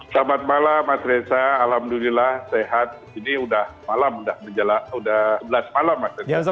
selamat malam mas reza alhamdulillah sehat ini sudah malam sudah sebelas malam mas reza